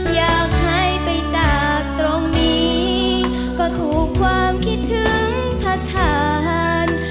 อยากหายไปจากตรงนี้ก็ถูกความคิดถึงทัศน